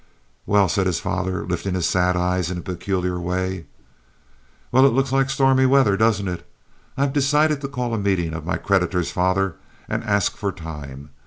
"Well?" said his father, lifting his sad eyes in a peculiar way. "Well, it looks like stormy weather, doesn't it? I've decided to call a meeting of my creditors, father, and ask for time.